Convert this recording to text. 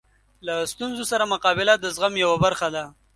له ستونزو سره مقابله د زغم یوه برخه ده.